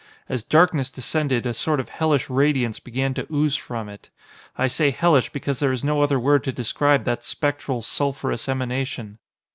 As darkness descended, a sort of hellish radiance began to ooze from it. I say hellish, because there is no other word to describe that spectral, sulphurous emanation.